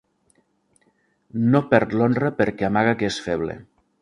No perd l'honra perquè amaga que és feble.